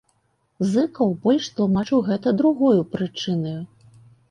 Зыкаў больш тлумачыў гэта другою прычынаю.